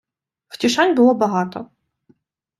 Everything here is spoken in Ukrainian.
Втішань було багато.